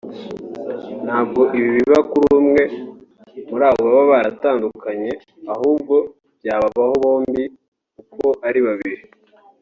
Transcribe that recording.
ntabwo ibi biba kuri umwe muri abo baba baratandukanye ahubwo byababaho bombi uko ari babiri